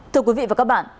thưa quý vị và các bạn